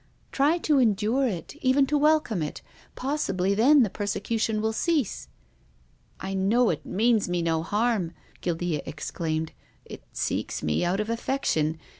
Try to endure it, even to welcome it. Possibly then the persecution will cease." " I know it means me no harm," Guildea ex claimed, " it seeks me out of affection.